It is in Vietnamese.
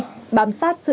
từ đầu năm đến nay